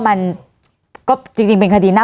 วันนี้แม่ช่วยเงินมากกว่า